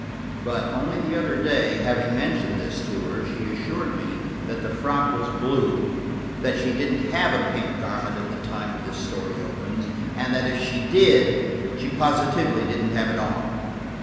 But only the other day, having mentioned this to her, she assured me that the frock was blue, that she didn't have a pink garment at the time this story opens and that if she did she positively didn't have it on.